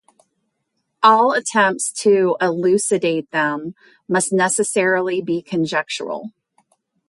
All attempts to elucidate them must necessarily be conjectural.